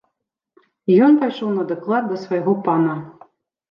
І ён пайшоў на даклад да свайго пана.